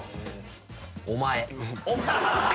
「お前」